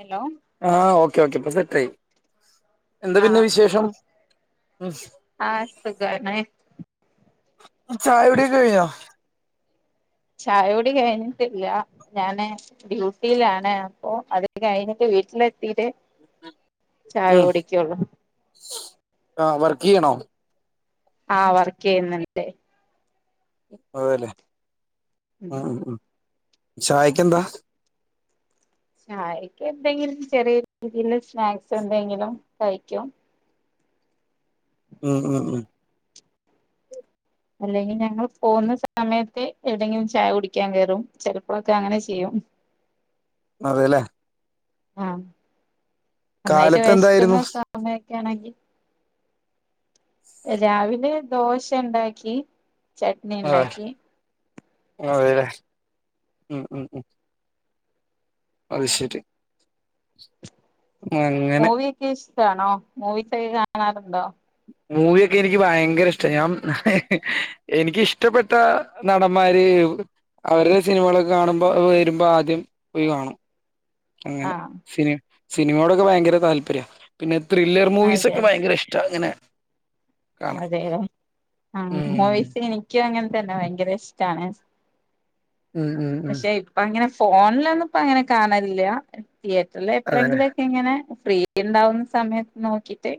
Hello ആ okay okay പ സെറ്റായി എന്താ പിന്നെ വിശേഷം [unintelligible] ആ സുഖാണ് ചായ കുടിയൊക്കെ കഴിഞ്ഞോ ചായകുടി കഴിഞ്ഞിട്ടില്ല ഞാന് ഡ്യൂട്ടിയിലാണ് അപ്പൊ അത് കഴിഞ്ഞിട്ട് വീട്ടിലെത്തിട്ട് ചായ ഉം കുടിക്കൊള്ളൂ [unintelligible] ആ വർക്ക് ചെയ്യുന്നുണ്ട് അതല്ലേ ഉം ആ ആ ചായക്കെന്താ ചായക്ക് എന്തെങ്കിലും ചെറിയ രീതിൽ സ്നാക്സ് എന്തെങ്കിലും കഴിക്കും ഉം ഉം ഉം അല്ലെങ്കിൽ ഞങ്ങൾ പോകുന്ന സമയത്ത് എവിടെങ്കിലും ചായ കുടിക്കാൻ കയറും ചെലപ്പോഴൊക്കെ അങ്ങനെ ചെയ്യും അതല്ലേ ആ നന്നായിട്ട് കാലത്ത് എന്തായിരുന്നു വെശക്കുന്ന സമയ ക്ക ആണെങ്കിൽ രാവിലെ ദോശ ഉണ്ടാക്കി ചട്നി ഉണ്ടാക്കി അതല്ലേ ഉം ഉം ഉം അത് ശരി അങ്ങനെ [unintelligible] ആണോ മൂവി സൊക്കെ കാണാറുണ്ടോ മൂവിയൊക്കെ എനിക്ക് ഭയങ്കര ഇഷ്ട ഞാൻ എനിക്ക് ഇഷ്ടപ്പെട്ട നടന്മാര് അവരുടെ സിനിമകളൊക്കെ കാണുമ്പോ വരുമ്പോ ആദ്യം പോയി കാണും അങ്ങനെ ആഹ് സി സിനിമയോടൊക്കെ ഭയങ്കര താല്പര്യം പിന്നെ ത്രില്ലർ മൂവീസ് അതെ ഒക്കെ ഭയങ്കര ഇഷ്ട അങ്ങനെ കാണാൻ അതെലെ ആ ഉം മൂവീസ് എനിക്ക് അങ്ങനെ തന്നെ ഭയങ്കര ഇഷ്ടാണ് ഉം ഉം ഉം പക്ഷെ ഇപ്പൊ അങ്ങനെ ഫോണിലൊന്നും ഇപ്പ അങ്ങനെ കാണലില്ല തിയേറ്ററിൽ അതെല്ലേ എപ്പഴെങ്കിലൊക്കെ ഇങ്ങനെ ഫ്രീ ഉണ്ടാവുന്ന സമയത്ത് നോക്കിട്ട്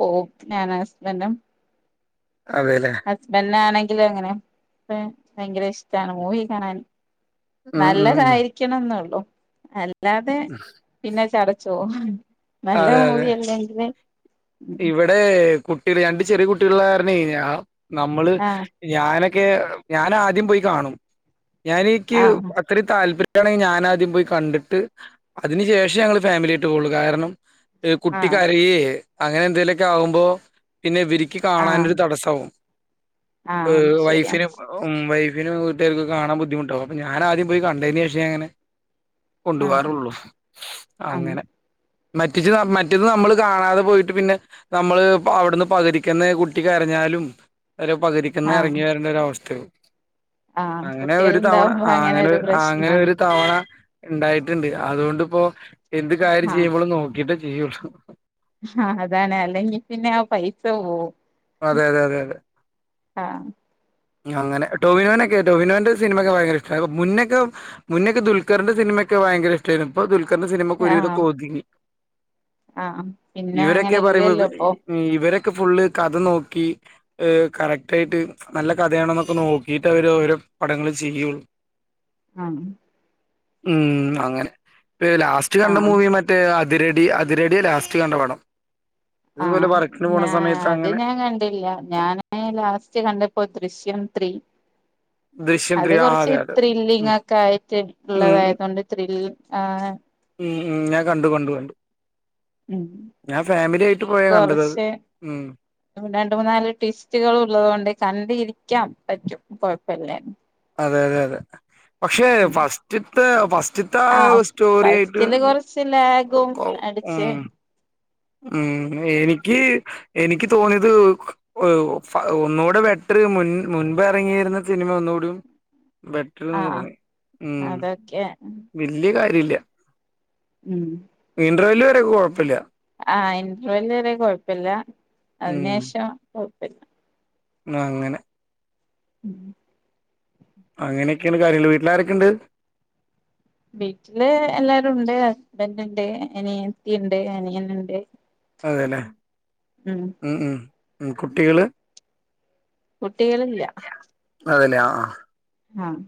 പോവും ഞാനും ഹസ്ബന്റും അതെല്ലേ ഹസ്ബെൻഡ് ആണങ്കി അങ്ങനെ ഭയങ്കര ഇഷ്ടമാണ് മൂവി കാണാൻ ഉം ഉം ഉം നല്ലതായിരിക്കണം എന്ന ഉള്ളു അല്ല അല്ലാതെ പിന്നെ ചടച്ചോ ഉം നല്ല അതെ അതെ മൂവി അല്ലേ ഇവിടെ കുട്ടിക രണ്ട് ചെറിയ കുട്ടികള് കാരണം ആ നമ്മള് ആഹ് ഞാനൊ ക്കെ ഞാൻ ആദ്യം പോയി കാണും ഞാന് ക്ക് ആഹ് അത്ര താല്പര്യം ണെങ്കിൽ ഞാനാദ്യം പോയി കണ്ടിട്ട് അതിന് ശേഷം ഞങ്ങള് ഫാമിലി ആയിട്ട് പോവള്ളു കാരണം കുട്ടി ആഹ് കരയെ അങ്ങനെ എന്തെേലുമൊക്കെ ആകുമ്പോ പിന്നെ ഇവരി ക്ക് ആഹ് കാണാനരു തടസ്സാവും ആഹ് അത് ശരിയാ വൈഫിനു വീട്ടുകാർക്ക് കാണാൻ ബുദ്ധിമുട്ടകും അപ്പൊ ഞാൻ ആദ്യം പോയി കണ്ടതിന് ശേഷം അങ്ങനെ കൊണ്ടു ആഹ് പോവറുള്ളൂ ആഹ് അങ്ങനെ മറ്റി മറ്റത് നമ്മള് കാണാതെ പോയി് ട്ട് പിന്നെ നമ്മള് അവിടുന്ന് പകുധിക്കന്നു കുട്ടിക്കരഞ്ഞാലും അവ പകുധിക്കന്നു ആഹ് ഇറങ്ങി വരണ്ട ഒര് അവസ്ഥയ ആഹ് അങ്ങനെ ഒരു തവണ കുട്ടികളുണ്ടാവുമ്പോ ആ അങ്ങനെ ഒരു അങ്ങനെ പ്രശ്നാണ് ഒരു തവണ ഉണ്ടായിട്ടുണ്ട് അതുകൊണ്ടിപ്പോൊ എന്ത് കാര്യം ആഹ് ചെയ്യുമ്പോഴും നോക്കിട്ട് ചെയ്യള്ളൂ ആ അതാണ് അല്ലെങ്കിൽ പിന്നെ ആ പൈസ പോവും അതെ അതെ അതെ അതെ ആഹ് അങ്ങനെ ടോവിനോന്റെക്കെ ടോവിനോന്റെ സിനിമയക്കെ ഭയങ്കര ഇഷ്ട മുന്നൊക്കെ മുന്നൊക്കെ ദുൽൽഖറിന്റെ സിനിമയക്കെ ഭയങ്കര ഇഷ്ടരുന്നു ഇപ്പ കറിന്റെ സിനിമക്ക ഒരുതക്കെ ഒതുങ്ങി ആഹ പിന്നെ അങ്ങനെ ഇല്ലല്ലോ ഇപ്പൊ ക്ക് ഫുള്ള് കഥ നോക്കി കറക്റ്റയിട്ട് നല്ല കഥയാണെന്നൊക്കെ നോക്കിട്ട് അവര് ഓരോ പടങ്ങള് ചെയ്യുള്ളു ആണോ ഉം അങ്ങനെ ലാസ്റ്റ് കണ്ട ആഹ് മൂവി മറ്റേ ആ - തിരടി അതിരട്യ ലാസ്റ്റ് കണ്ട പടം. തുപോലെ വർക്കിന് പോണ സമയ ത് ഞാൻ കണ്ടില്ല ഞാന് ലാസ്റ്റ് കണ്ടപ്പോ ദൃശ്യം എം ത്രീ ദൃശ്യം ത്രീ അത് ആ കൊറച്ച് അതെ അതെ ഉം ത്രില്ലിങ്ങൊക്കായിട്ട് ഉം ഇള്ളതായ്തൊണ്ട് ത്രിൽ ആഹ് ഉം ഉം ഞാൻ കണ്ടു കണ്ടു കണ്ടു ഉം ഞാൻ ഫാമിലി ആയിട്ട് പോയാ കണ്ടത് അത് കൊറച്ച് ഉം രണ്ട് മൂന്നാല് ട്വിസ്റ്റുകളുള്ളത്കൊണ്ട് കണ്ടിരി ക്കാം പറ്റും കൊഴപ്പല്ലേന്നു ആതെ യതെ പക്ഷെ ഉം ഫസ്റ്റ്ത്തെ ഫസ്റ്റ്ത്ത ആ ആഹ് സ്റ്റോറി ആയിട്ട് ഫസ്റ്റില് കൊറച്ച് ലാഗും കൗ അടിച്ച് ഉം ഉം എനിക്ക് എനിക്ക് തോന്ന്യത് ഓ ഫ ഒന്നുടെ ബെറ്ററ് മുൻ മുൻപെറങ്ങിരുന്ന സിനിമ ഒന്നുടിം ബെറ്ററ്ന്ന് ആഹ് തോന്നി ഉം അതൊക്കെ വെല്ല്യ കാ രില്ല്യ ഉം ഇൻട്രവെല്ല് ഒരു കൊഴപ്പല്ല്യ ആഹ് ഇൻട്രവെല്ല് വരെ കൊഴപ്പല്ല അതിനേഷം [unintelligible] ന്നാ അങ്ങനെ ഉം അങ്ങനെക്കെയാണ് കാര്യങ്ങള് വീട്ടിലാരൊക്കെണ്ട്? വീട്ടില് എല്ലാരുണ്ട്, ഹസ്ബന്റ്ണ്ട്, അനിയത്തി ഇണ്ട്, അനിയൻ ഇണ്ട് അതെലെ ഉം ഉം ഉം കുട്ടികള് കുട്ടികളില്ല. ആഹ് ആഹ്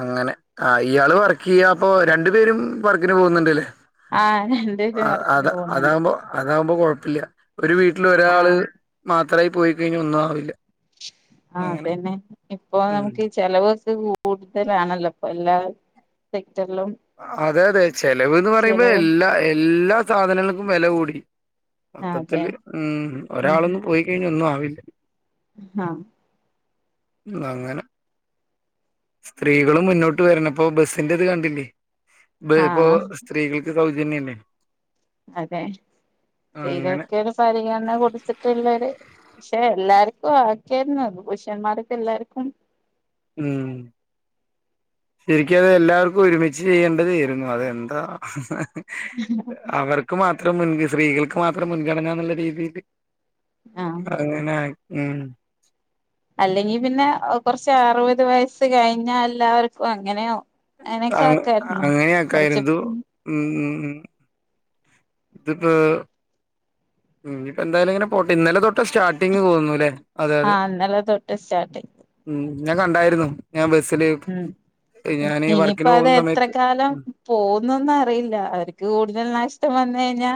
അങ്ങനെ ആ ഇയാള് വർക്കെയ്യാ അപ്പൊ രണ്ടു പേരും വർക്കിന് പോവുന്നുണ്ട്ലേ? ആഹ് രണ്ട് പേരും വർക്കിന് പോവുന്നുണ്ട്. അതാവുമ്പോ കൊഴപ്പയില്ല ഒരു വീട്ടിൽ ഒരാള് ആഹ് മാത് ത്രായി പോയിക്കഴിഞ്ഞാൽ ഒന്നും ആവില്ല ആ അങ്ങനെ അതെന്നെ ഇപ്പൊ ഉം നമുക്കീ ചെലവൊർച്ച് കൂ കൂട്തലാണല്ലോ പ്പൊ ല്ലാരും അതെ അതെ ചെലവ്ന്ന് പറയുമ്പോ ചെലവ് എല്ലാ എല്ലാ സാധന [inaudible] അതെ ആ അങ്ങനെ സ്ത്രീകള് മുന്നോട്ട് വരണം പ്പൊ ബസിന്റെ ഇത് കണ്ടില്ലേ ഇ ഇപ്പോ ആഹ് സ്ത്രീകൾക്ക് സൗജന്യല്ലേ അതെ അങ്ങനെ സ്ത്രീകൾക്കരു പരിഗണന കൊടുത്തിട്ടുള്ളരു പക്ഷെ എല്ലാർക്കും ആക്കിയരുന്നു പുരുഷന്മാരക്കെ എല്ലാർക്കും ഉം ശരിക്ക അത് എല്ലാവർക്കും ഒരുമിച്ച് ചെയ്യേണ്ടതായിരുന്നു അതെന്താ അവർക്ക് മാത്രം മുൻകി സ്ത്രീകൾക്ക് മാത്രം മുൻഗണന എന്നുള്ള രീതിയില് ആഹ് അങ്ങനെ ഉം അല്ലെങ്കി പിന്നെ കൊറച്ച് അറുപത് വയസ്സ് കഴിഞ്ഞാ എല്ലാവർക്കും അങ്ങനെയോ അ അങ്ങനൊക്കെ ആക്കായിരുന്നു കൊറച്ച് അങ്ങനെയൊക്കൊയിരുന്നു ഉം ഉ ത്പ്പോ ഇനിപ്പോ എന്തായാലും ഇങ്ങനെ പോട്ടെ ഇന്നലെ തൊട്ട സ്റ്റാർട്ടിങ്ങ് തോന്നുന്നുല്ലേ അതെ അതെ ആഹ അന്നലെ തൊട്ട് സ്റ്റാർട്ടി ഉം ഞാൻ കണ്ടായിരുന്നു ഞാൻ ബസ്സില് ഉം ഞാന് ഇനിയിപ്പോ വർക്കിന് അത് പോകുന്ന എത്ര സമയത്ത് കാലം ഉം പോന്നന്ന അറിയില്ല അവർക്ക് കൂടുതൽ നഷ്ടം വന്നഴ ഞ്ഞ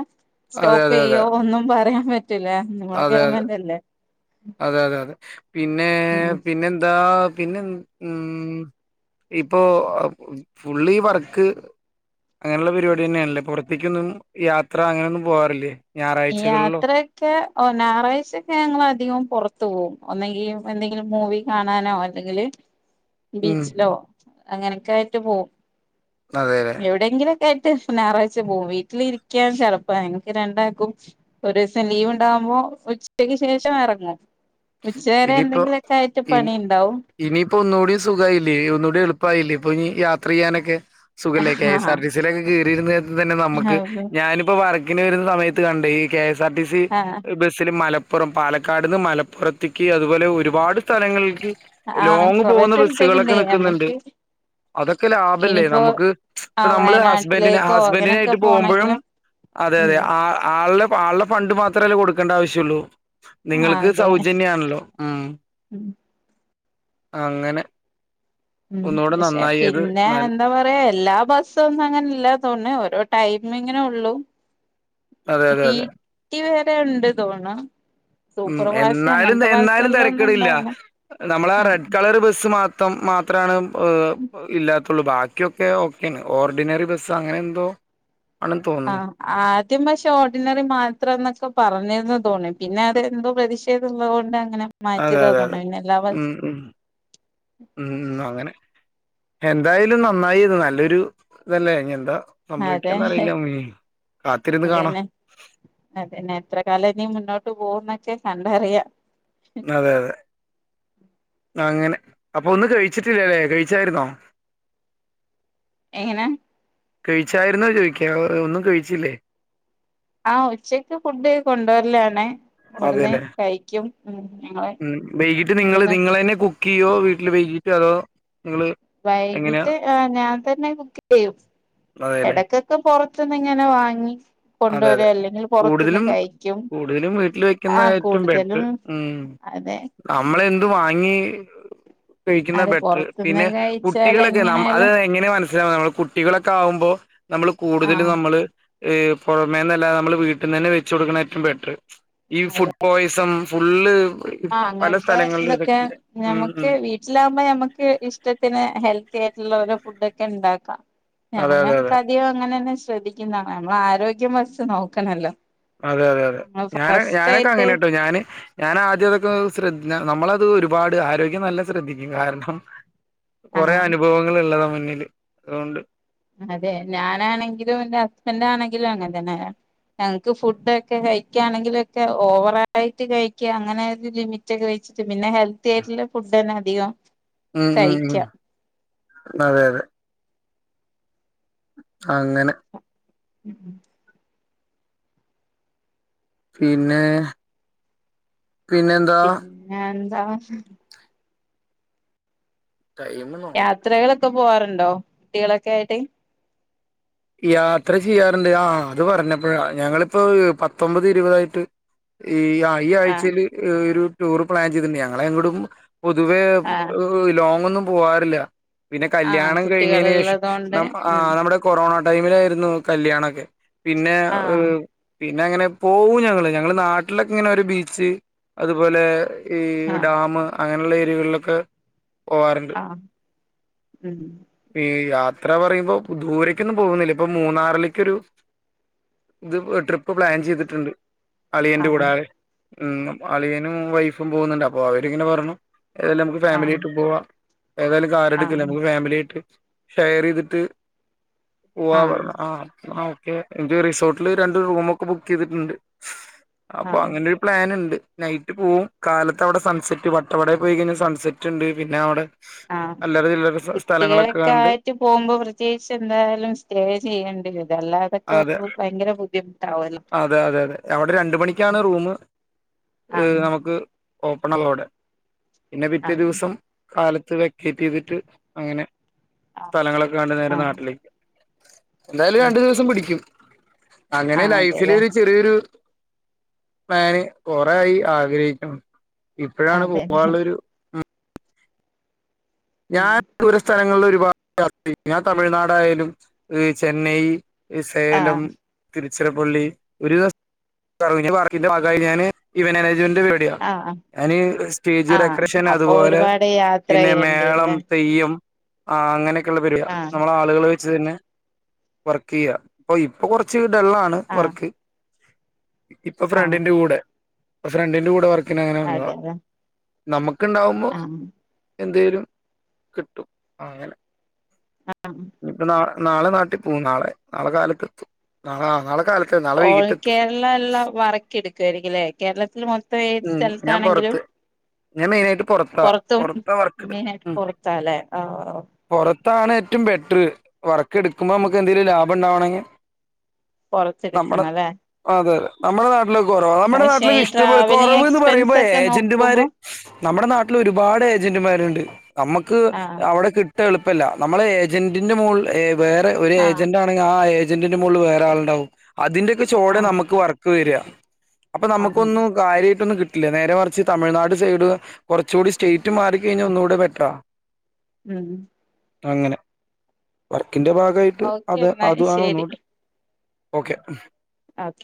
അതെ സ്റ്റോപ്പ് അതെ അതെ ചെയ്യോ ഒന്നും പറയാൻ പറ്റൂല നമ്മളെ അതെ ഗവമെന്റ്ല്ലേ അതെ അതെ അതെ പിന്നെ പിന്നെ എന്താ പിന്നെ ഉ ഇപ്പോ ഫുള്ളി വർക്ക് അങ്ങനെയുള്ള പരിപാടി തന്നെയണല്ലേ പുറത്തേക്കൊന്നും യാത്ര അങ്ങനെ ഒന്നും പോവാറില്ലേ ഞായറാഴ്ചകളിലോ യാത്രൊക്കെ ഓ ഞായറാഴ്ചയക്കെ ഞങ്ങ അധികം പുറത്തു പോകും ഒന്നെങ്കി എന്തെങ്കിലും മൂവി കാണാനോ അല്ലെങ്കിൽ ഉം ബീച്ച് ലോ അങ്ങനൊക്ക ആയിട്ട് പോവും അതെ അതെ എവിടെയങ്കിലും കേട്ട് ഞായറാഴ്ച പോവും വീട്ടിലിരിക്കാൻ ചടപ്പ ഞങ്ങക്ക് രണ്ടാക്കും ഒരു ദിവസം ലീവ് ഉണ്ടാവുമ്പോ ഉച്ചക്ക് ശേഷം എറങ്ങും ഉച്ചകരെ ഇനിയിപ്പോ എന്തെങ്കിലൊക്കെ ആയിട്ട് പണി ഉണ്ടാവും. ഇപ്പൊ ഒന്നുകൂടി സുഖമായില്ലേ, ഒന്നുകൂടി എളുപ്പമായില്ലേ, ഇപ്പൊ ഇനി യാത്ര ചെയ്യാനൊക്കെ സുഖിലേക്ക ആഹ് സർില പി ന്നെ നമുക്ക് ഞാനിപ്പോ പറ എ വരുന്ന സമയത്ത് കണ്ടണ്ട് ഈ K S R T C ആഹ് ബസിൽ മലപ്പ അപ്പറം പാലക്കാട്ന്ന് മലപ്പം പുറത്തേക്ക് അതുപോലെ ഒരുപാട് സ്ഥലങ്ങളിൽക്ക് ആഹ് ലോങ് കൊറേ പോകുന്ന ബസ്സുകളൊക്കെ സ്ഥലത്തേക്കുണ്ടേ നിക്കുന്നുണ്ട്, നമ്മക്ക് അതൊക്കെ ലാഭല്ലേ ഇനിയിപ്പോ നമുക്ക് ആ നമ്മള് ഹസ്ബൻ വയനാട്ടിലേക്കോ അങ്ങനെയൊക്കെ ഹസ്ബൻഡിനായിട്ട് പോകുമ്പോഴും പോണെങ്കിലും അതെ അതെ ഉം ആ ആളുടെ അപ്പൾ ആൾടെ ഫണ്ട് മാത്രമല്ലേ കൊടുക്കേണ്ട ആവശ്യമുള്ളൂ. ആ നിങ്ങൾക്ക് അതെ സൗജന്യ ആണല്ലോ ഉം ഉം അങ്ങനെ ഉം ഒന്നുകൂടെ പക്ഷെ നന്നായി അത് പിന്നെ നല്ല എന്താ പറയാ എല്ലാ ബസ്സൊന്നും അങ്ങനെല്ല തോന്നണേ ഓരോ ടൈ എങ്ങനെ ഉള്ളു അതെ, [unintelligible] അതെ, അതെ. ഒക്കെ ഉണ്ട് തോണ ഉം എന്നാലും എന്നാലും ഒന്നും തിരക്കിടില്ല ഉണ്ടാവില്ല നമ്മള ആ ആഹ് റെഡ് കളർ ബസ്സ് മാത്രം ം മാത്രമാണ് ഏഹ് ഇല്ലാത്ത പത്തുള്ളൂ ബാക്കിയൊക്കെ ഓക്കെ ഓർഡിനറി ബസ് അങ്ങനെ എന്തോ ആണെന്ന് തോന്നുന്നു. ആഹ ആദ്യം പക്ഷെ ഓർഡിനറി മാത്രം എന്നൊക്കെ പറഞ്ഞിരുന്ന തോണി പിന്നെ അതെന്തോ പ്രതീക്ഷ [unintelligible] അതെ അതെ അതെ മം മം മം മം അങ്ങനെ. എന്തായാലും നന്നായി ഇത് നല്ലൊരു ഇതല്ല എന്താ അത, സംഭവിക്കാന്നറിയില്ല. ഉം. കാത്തിരുന്ന് കാണാം. അതന്നെ അതന്നെ എത്ര കാലം നീ മുന്നോട്ട് പോ പോവുന്നക്കെ കണ്ടറിയാം. അതെ അതെ. അങ്ങനെ അപ്പൊ ഒന്നും കഴിച്ചിട്ടില്ലല്ലേ, കഴിച്ചായിരുന്നോ. എങ്ങനെ കഴിച്ചായിരുന്നോ ചോദിക്ക, ഒന്നും കഴിച്ചില്ലേ. ആ ഉച്ചക്ക് ഫുഡ് കൊണ്ടുവരലാണ് ഇവിടന്ന് അതെല്ലേ. കഴിക്കും ഉം ഞങ്ങള് ഉം വൈകീട്ട് നിങ്ങള് ഇവിടുന്ന് നിങ്ങളന്നെ കു ക്കിയ്യോ വീട്ടില് വെയിച്ചതോ വൈകിട്ട് ആ ഞാൻ തന്നെ കുക്ക് ചെയ്യും അതെല്ലേ ഇടക്കൊക്കെ പുറത്തുന്ന് ഇങ്ങനെ വാങ്ങി അതെ കൊണ്ടുവരും അതെ അല്ലെങ്കിൽ പുറത്തുന്ന് കൂടുതലും കഴിക്കും കൂടുതലും വീട്ടില് ആ കൂടുതലും അതെ നമ്മളെ എന് അത് വാങ്ങി കഴിക്കുന്ന അത് ബെറ്റർ പുറത്തുന്ന് പിന്നെ കഴിച്ചാൽ കുട്ടികളൊക്കെ അത് എങ്ങനായാലും എങ്ങനെ മനസ്സിലാവ നമ്മൾ കുട്ടികളൊക്കെ ആവുമ്പോൾ നമ്മള് കൂടുതൽ ആഹ് നമ്മള് പുറമേന്നല്ലതെ നമ്മള് വീട്ടീന്നന്നെ വെച്ച് കൊടുക്കണ ഏറ്റവും ബെറ്ററ് ഈ അതെ ഫുഡ് പോയ്സൺ ഫുള്ള് ആ പല അങ്ങനത്തെ സ്ഥലങ്ങളിലും ഇതൊക്കെ ഉം ഞമ്മുക്ക് ഉം വീട്ടിലാകുമ്പോ ഞമക്ക് ഇഷ്ടത്തിന് ഹെൽത്ത് [unintelligible] ഫുഡൊക്കെ ഉണ്ടാക്കാം അതെ ഞങ്ങള് അതെ അതെ കഴിവതും അങ്ങനെന്നെ ശ്രദ്ധിക്കുന്നതാണ് നമ്മള് ആരോഗ്യം വെച്ച് നോക്കണല്ലോ അതെ അതെ അതെ ഞാന ഫസ്റ്റ് ഞാനൊക്കെ ആയിട്ട് അങ്ങനാട്ടോ ഞാന് ഞാൻ ആദ്യംതൊക്കെ ശ്രദ്ധ നമ്മളത് ഒരുപാട് ആരോഗ്യം നല്ല ശ്രദ്ധിക്കും കാരണം കുറെ ആഹ് അനുഭവങ്ങൾള്ള നമ്മ ന്നില് അതുകൊണ്ട് അതെ ഞാനാണെങ്കിലും എന്റെ ഹസ്ബൻഡാണെങ്കിലും അങ്ങനെ തന്നാ ഞങ്ങക്ക് ഫുഡൊക്കെ കഴിക്കയാണെങ്കിലും ഒക്കെ ഓവറയിട്ട് കഴിക്കുക അങ്ങനെ ഒരു ലിമിറ്റൊക്കെ വെച്ചിട്ട് പിന്നെ ഹെൽത്തി ആയിട്ടില്ല ഫുഡന്നെ അധികം ഉം ഉം ഉം കഴിക്കാം അതെ അതെ അങ്ങനെ ഉം ഉ പിന്നെ പിന്നെന്താ പിന്നെ ആ ടൈം നോക്ക യാത്രകളൊക്കെ പോവാറുണ്ടോ കുട്ടികളൊക്കെ ആയിട്ട് യാത്ര ചെയ്യാറുണ്ട് ആ അത് പറഞ്ഞപ്പഴ ഞങ്ങളിപ്പോ പത്തൊമ്പത് ഇരുപതായിട്ട് ഈ ഈ ആ ആഴ്ചയിൽ ഒരു ടൂറ് പ്ലാ ചെയ്തിട്ടുണ്ട് ഞങ്ങളെങ്ങൊടും പൊതുവേ ആ ഏഹ് ലോങ്ങൊന്നും പോവാാറില്ല പിന്നെ ആ കല്യാണം കഴിഞ്ഞേന് ശേഷം കുട്ടികളുള്ളത് കൊണ്ട് ന ആ ഉം നമ്മടെ കൊറോണ ടൈമിലായിരുന്നു കല്യാണൊക്കെ പിന്നെ ആ ഏ പിന്നെ അങ്ങനെ പോവും ഞങ്ങള് ഞങ്ങള് നാട്ടിലൊക്കെ ഇങ്ങനെ ഒരു ബീച്ച് അതുപോലെ ഈ ആ ഡാമ് അങ്ങനെയുള്ള ഏരിയകളിലൊക്കെ പോവാറിണ്ട് ആ ഉം ഈ യാ യാത്ര പറയുമ്പോ ദൂരെക്കെന്നും പോവുന്നില്ല ഇപ്പ മൂന്നാറിലിക്കൊരു ഇത് ട്രിപ്പ് പ്ലാൻ ചെയ്തിട്ട്ണ്ട് ആ അളിയന്റെ കൂടെ ഉം അളിയനും വൈഫും പോവുന്നുണ്ട് അപ്പൊ അവരിങ്ങനെ പറഞ്ഞു ഏതായാലും നമുക്ക് ആ ഫാമിലിയായിട്ട് പോവാ ഏതായാലും ആ കാറെടുക്കല്ലേ നമുക്ക് ഫാമിലി ആയിട്ട് ഷെയർ ചെയ്തിട്ട് പോവാ പറഞ്ഞു ആ ആ എന്നിട്ട് റിസോർട്ടില് രണ്ട് റൂമൊക്കെ ബുക്ക് ചെയ്തിട്ടിണ്ട്. ആ അപ്പൊ അങ്ങനെ ഒരു പ്ലാനിണ്ട് നൈറ്റ് പോവും കാലത്ത് അവടെ സൺസെറ്റ് വട്ടവടെ പോയി കഴിഞ്ഞാ സൺസെറ്റ് ഇണ്ട് പിന്നെ അവടെ ആഹ് കുട്ടികളൊക്കെ കണ്ട് ആയിട്ട് പോവുമ്പോ പ്രത്യേകിച്ച് എന്തായാലും സ്റ്റേ ചെയ്യണ്ടി വെരും അതെ അതെ അതെ അതെ അവിടെ രണ്ട മണിക്കാണ് റൂമ് ഏഹ് ആഹ് നമുക്ക് ഓപ്പണാവാ അവടെ പിന്നെ പിറ്റേ ആഹ് ദിവസം കാലത്ത് വെ ക്കേറ്റ് ചെയ്തിട്ട് അങ്ങനെ ആഹ് സ്ഥലങ്ങളൊക്കെ കണ്ട് നേരെ ആഹ് നാട്ടിലേക്ക് എന്തായാലും ഉം രണ്ടു ദി പിക്കും അങ്ങനെ ആഹ് ലൈഫില് അതെല്ലേ ഒരു ചെറിയൊരു ഞാന് കുറെ ആയി ആഗ്രഹിക്കുണു. ഇപ്പഴാണ് പോവാ അതെല്ലേ ഉള്ളൊരു ഉം ഞാൻ ദൂര സ്ഥലങ്ങളില് ഒരുപാ [unintelligible] ഞാൻ തമിഴ്നാടായാലും ചെന്നൈ സേലം ആഹ് തിരുച് ചിറപ്പള്ളി ഒരു [unintelligible] വർക്കിന്റെ ഭാഗായി ഞാൻ ഇവൻ [unintelligible] വന്റ് പരിപാടിയ ആഹ് അതിന് സ്റ്റേജ് ആഹ് ഡെക്കറേഷൻ അപ്പൊ അതുപോലെ ഒരുപാട് യാത്ര പിന്നെ മേളം ചെയ്യേണ്ടില്ലേ തെയ്യം ആ അങ്ങനെ ക്കൊള്ള [unintelligible] യ ആഹ് നമ്മള് ആളുകള് ച്ച് തര്ന വർക്കയ്യാ അപ്പ ഇപ്പം കൊർച്ച് ഡള്ളാണ് ആഹ് വർക്ക് ഇപ്പം ആഹ് ഫ്രണ്ടിന്റെ കൂടെ ഇപ്പം ഫ്രണ്ടിന്റെ കൂടെ വർ ന് ഇങ്ങനെ വന്നതാ അതെല്ലേ നമു ക്ക് ഉണ്ടാവുമ്പോ ആഹ് എന്തേലും കിട്ടും അങ്ങനെ ആഹ് ഇനിപ്പൊ നാളെ നാളെ നാട്ടിൽ പോവും നാളെ നാളെ കാലത്ത് എത്തും നാളെ നാളെ കാലത്ത് നാളെ ഓൾ വൈകിട്ടെത്തും കേരള എല്ല വർക്ക് എടുക്കുവായിരിക്കുലേ കേരളത്തിൽ മൊത്തം ഏത് ഉം ഞാൻ സ്ഥലത്താണെങ്കിലും പൊറത്ത് ഞാൻ മെയിനായിട്ട് പൊറത്താ പൊറത്തും പൊറത്താ വർക്കെടു മെയിനായിട്ട് പൊറത്താല്ലേ ആഹ് ത്താണ് ഏറ്റവും ബെറ്ററ് വർക്ക് എടുക്കുമ്പോ നമുക്ക് എന്തെങ്കിലും ലാഭം ഉണ്ടാവണെങ്കി നമ്മള് പുറത്തെടുക്കണം അല്ലേ അതെതെ നമ്മളെ നാ ട്ട് ലൊക്കെ കുറവാ നമ്മുടെ പക്ഷെ നാട്ടില് ഈ ഇഷ്ടം പോലെ ട്രാവലിങ് കൊറവ് ന്ന് എക്സ്പെൻസ് പറയുമ്പോ ഒക്കെ നോക്കുമ്പോ ഏജന്റ്മാര് നമ്മുടെ നാട്ടിൽ ഒരുപാട് ഏ മാരുണ്ട് നമ്മുക്ക് ആഹ് അവിടെ കിട്ട എള് പ്പല്ല നമ്മൾ ഏജന്റിന്റെ മോളിൽ ഏ വേറെ ഒരു ആഹ് ഏജന്റ് ആണെങ്കി ആ ഏ ജന്റിന്റെ മുകളിൽ വേറെ ആളുണ്ടാവും അതിന്റെയൊക്കെ ചോടേ ആഹ് നമുക്ക് വർക്ക് വരാ അപ്പൊ ആഹ് നമുക്കൊന്നും കാര്യായിട്ടൊന്നും കി ട്ടില്ല നേരെ മറിച്ച് തമിഴ്നാട് സൈഡ് കുറച്ചും കൂടി സ്റ്റേ റ്റ് മാറിക്കഴിഞ്ഞാ ഒന്നൂടെ ബെറ്ററാ ഉം അങ്ങനെ ക്കിന്റെ ഭാഗമായിട്ട് ഓക്കെ അത് എന്നാ അതാണ് ഒന്നൂടെ ഓക്കെ ആത്